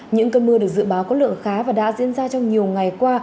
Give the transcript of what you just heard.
những cơn mưa được dự báo có lượng khá và đã diễn ra trong nhiều ngày qua